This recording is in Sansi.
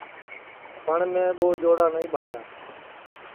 پٹؔ میں ٻو جوڑا نائی ٻایا